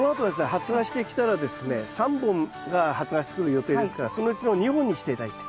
発芽してきたらですね３本が発芽してくる予定ですからそのうちの２本にして頂いて。